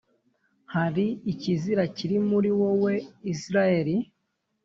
hari ikizira kiri muri wowe, israheli.